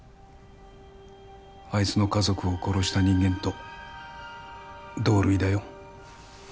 あいつの家族を殺した人間と同類だよ